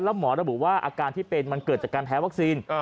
แล้วหมอระบุว่าอาการที่เป็นมันเกิดจากการแพ้วัคซีน